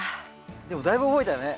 でもだいぶ覚えたよね。